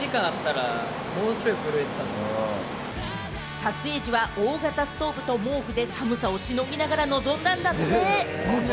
撮影時は大型ストーブと毛布で寒さをしのぎながら臨んだんだって！